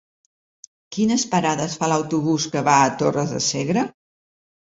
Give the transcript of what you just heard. Quines parades fa l'autobús que va a Torres de Segre?